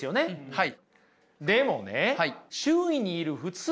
はい。